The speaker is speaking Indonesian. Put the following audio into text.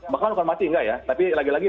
maka hukuman mati enggak ya tapi lagi lagi